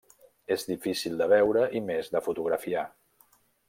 És difícil de veure i més de fotografiar.